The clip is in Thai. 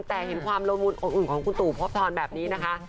แต่เห็นความละมุนอบอุ่นของคุณตู่พบทรแบบนี้นะคะ